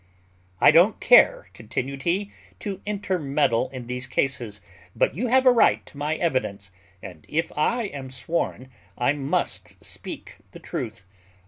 I don't care," continued he, "to intermeddle in these cases; but you have a right to my evidence; and if I am sworn, I must speak the truth.